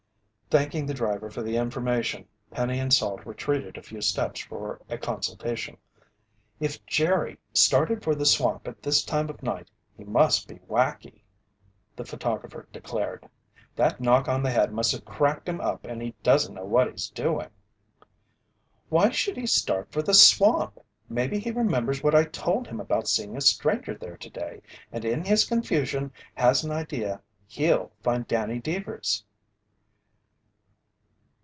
Thanking the driver for the information, Penny and Salt retreated a few steps for a consultation. "If Jerry started for the swamp at this time of night he must be wacky!" the photographer declared. "That knock on the head must have cracked him up and he doesn't know what he's doing!" "Why would he start for the swamp? Maybe he remembers what I told him about seeing a stranger there today, and in his confusion, has an idea he'll find Danny Deevers!"